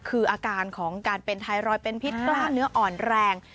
คืออาการของการเป็นไทรอยด์เป็นพิษกล้ามเนื้ออ่อนแรง